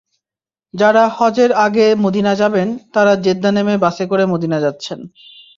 যাঁরা হজের আগে মদিনা যাবেন, তাঁরা জেদ্দা নেমে বাসে করে মদিনা যাচ্ছেন।